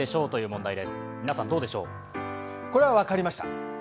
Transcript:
これは分かりました。